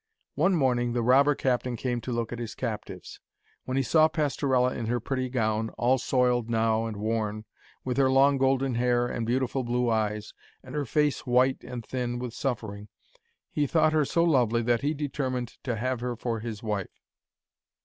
One morning the robber captain came to look at his captives. When he saw Pastorella in her pretty gown, all soiled now and worn, with her long golden hair and beautiful blue eyes, and her face white and thin with suffering, he thought her so lovely that he determined to have her for his wife.